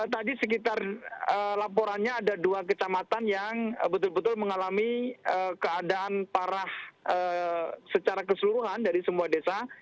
tadi sekitar laporannya ada dua kecamatan yang betul betul mengalami keadaan parah secara keseluruhan dari semua desa